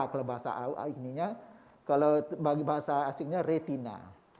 kalau bagi bahasa asingnya retina